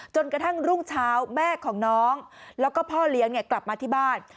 จนกระทั่งรุ่งเช้าแม่ของน้องแล้วก็พ่อเลี้ยงกลับมาที่บ้าน